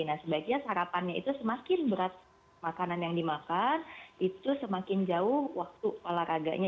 nah sebaiknya sarapannya itu semakin berat makanan yang dimakan itu semakin jauh waktu olahraganya